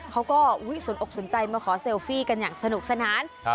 เขาก็สนอกสนใจมาขอเซลฟี่กันอย่างสนุกสนาน